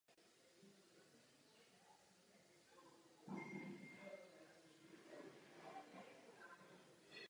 Nesprávně se tvrdí, že nastane úbytek pracovních míst.